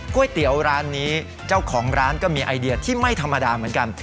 ก๋วยเตี๋ยวร้านนี้เจ้าของร้านก็มีไอเดียที่ไม่ธรรมดาเหมือนกัน